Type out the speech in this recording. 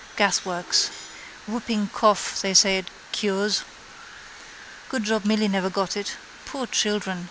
Gasworks. Whooping cough they say it cures. Good job Milly never got it. Poor children!